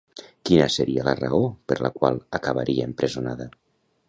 Quina seria la raó per la qual acabaria empresonada?